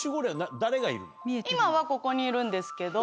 今はここにいるんですけど。